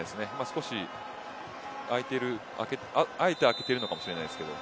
少しあえて空けているのかもしれないですけど。